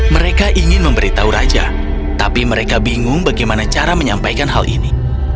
mereka ingin memberitahu raja tapi mereka bingung bagaimana cara menyampaikan hal ini